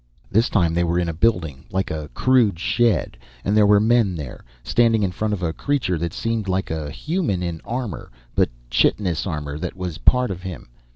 This time, they were in a building, like a crude shed, and there were men there, standing in front of a creature that seemed like a human in armor but chitinous armor that was part of him.